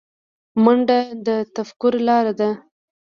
منډه د تفکر لاره ده